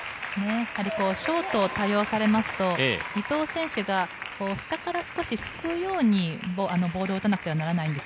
ショートを多用されると、伊藤選手が下から少しすくうようにボールを打たなければならないんです。